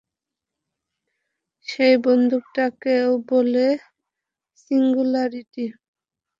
সেই বিন্দুটাকেও বলে সিঙ্গুলারিটি।